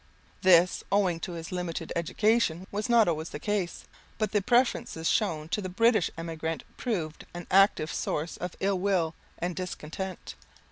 This, owing to his limited education, was not always the case; but the preference shown to the British emigrant proved an active source of ill will and discontent.